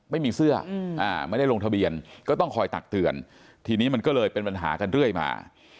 ไม่มีเสื้อไม่ได้ลงทะเบียนก็ต้องคอยตักเตือนทีนี้มันก็เลยเป็นปัญหากันเรื่อยมา